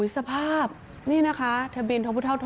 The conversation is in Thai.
สภาพนี่นะคะทะเบินทพทท๓๙๒๘